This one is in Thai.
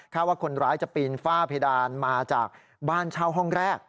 ว่าคนร้ายจะปีนฝ้าเพดานมาจากบ้านเช่าห้องแรก